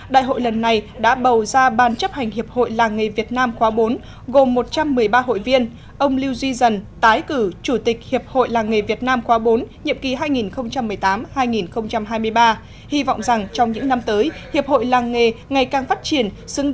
đại hội lần này đã bầu ra ban chấp hành hiệp hội làng nghề việt nam khóa bốn gồm một trăm một mươi ba hội viên ông lưu duy dần tái cử chủ tịch hiệp hội làng nghề việt nam khóa bốn nhiệm kỳ hai nghìn một mươi tám hai nghìn hai mươi ba hy vọng rằng trong những năm tới hiệp hội làng nghề ngày càng phát triển